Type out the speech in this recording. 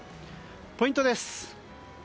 ポイントです。